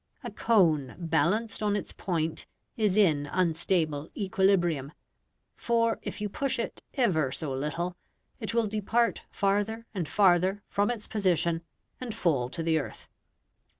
A cone balanced on its point is in unstable equilibrium, for if you push it ever so little it will depart farther and farther from its position and fall to the earth.